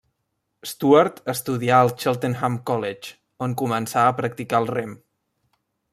Stuart estudià al Cheltenham College, on començà a practicar el rem.